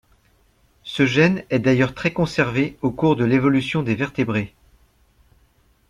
Ce gène est d’ailleurs très conservé au cours de l’évolution des vertébrés.